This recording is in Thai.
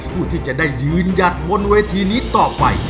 ผู้ที่จะได้ยืนหยัดบนเวทีนี้ต่อไป